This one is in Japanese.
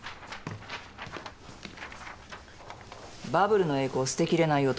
「バブルの栄光を捨てきれない男」。